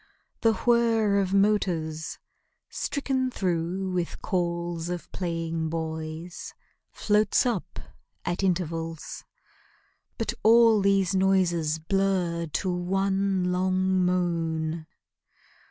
The whir of motors, stricken through with calls Of playing boys, floats up at intervals; But all these noises blur to one long moan.